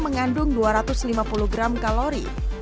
mengandung dua ratus lima puluh gram kalori